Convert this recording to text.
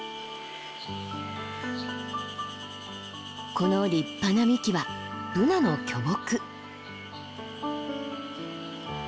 この立派な幹はブナの巨木。